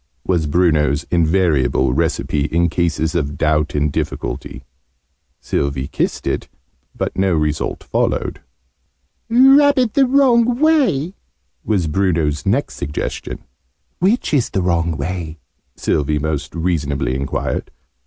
was Bruno's invariable recipe in cases of doubt and difficulty. Sylvie kissed it, but no result followed. "Rub it the wrong way," was Bruno's next suggestion. "Which is the wrong way?", Sylvie most reasonably enquired.